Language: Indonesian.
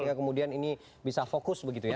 sehingga kemudian ini bisa fokus begitu ya